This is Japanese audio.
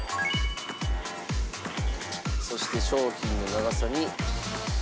そして商品の長さに。